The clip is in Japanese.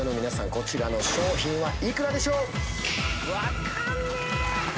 こちらの商品は幾らでしょう？